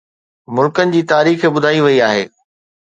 ملڪن جي تاريخ ٻڌائي وئي آهي